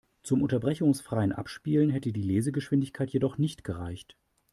Zum unterbrechungsfreien Abspielen hätte die Lesegeschwindigkeit jedoch nicht gereicht.